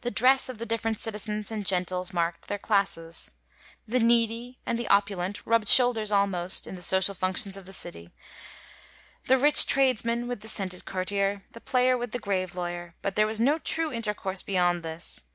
The dress of the different citizens and gentles markt their classes. The needy and the opulent rubd shoulders almost, in the social functions of the city, the rich trades man with the scented courtier, the player with the grave lawyer ; but there was no true intercourse beyond this.